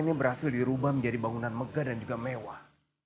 ini berhasil dirubah menjadi bangunan megah dan juga mewah